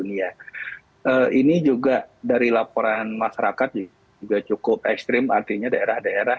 ini juga dari laporan masyarakat juga cukup ekstrim artinya daerah daerah